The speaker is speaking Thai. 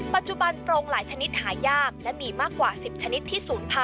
ปัจจุบันโปรงหลายชนิดหายากและมีมากกว่า๑๐ชนิดที่๐๐